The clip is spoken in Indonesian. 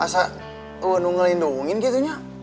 asal lu nunggu lindungin gitu ya